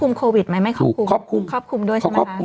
แล้วครอบคลุมโควิดไหมไม่ครอบคลุม